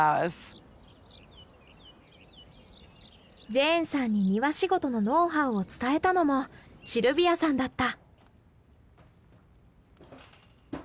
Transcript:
ジェーンさんに庭仕事のノウハウを伝えたのもシルビアさんだった。